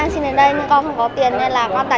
con đi đi nhá